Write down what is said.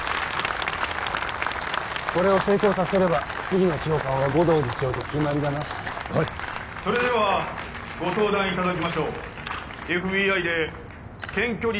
これを成功させれば次の長官は護道次長で決まりだなおいっそれではご登壇いただきましょうＦＢＩで検挙率